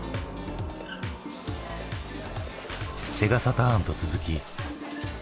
セガサターンと続き。